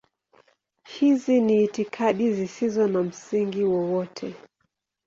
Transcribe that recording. Hizi ni itikadi zisizo na msingi wowote.